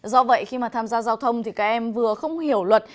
do vậy khi mà tham gia giao thông thì các em vừa không hiểu luật